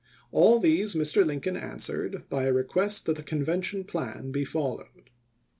All these Mr. Lincoln answered by a re quest that the Convention plan be followed.